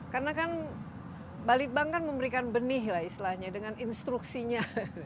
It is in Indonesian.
karena kan balitbang kan memberikan benih lah istilahnya dengan instruksinya